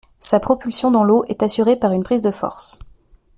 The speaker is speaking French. Sa propulsion dans l'eau est assurée par une prise de force.